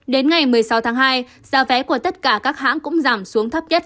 đến ngày một mươi sáu tháng hai giá vé của tất cả các hãng cũng giảm xuống thấp nhất